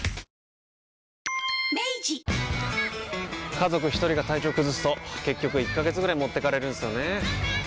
家族一人が体調崩すと結局１ヶ月ぐらい持ってかれるんすよねー。